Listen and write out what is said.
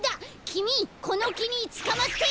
きみこのきにつかまって！